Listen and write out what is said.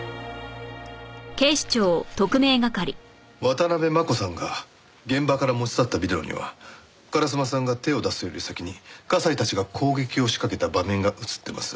渡辺真子さんが現場から持ち去ったビデオには烏丸さんが手を出すより先に西たちが攻撃を仕掛けた場面が映っています。